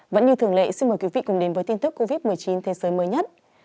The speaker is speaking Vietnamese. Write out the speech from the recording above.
vẫn như thường lệ xin mời quý vị cùng đến với tin tức covid một mươi chín thế giới mới nhất